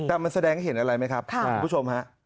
แต่มันแสดงเห็นอะไรไหมครับคุณผู้ชมฮะ